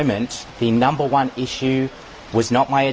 masalah pertama bukan pendidikan saya